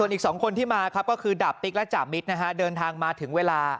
อีก๒คนที่มาครับก็คือดาบติ๊กและจ่ามิตรนะฮะเดินทางมาถึงเวลา